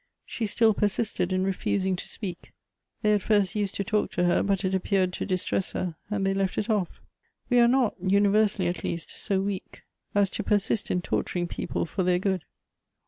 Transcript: She still persisted in refusing to speak. They at first used to talk to her, but it appeared to distress her, and they left it off. We are not, universally at least, so weak as to persist in tortur 306 Goethe's ing people for their good.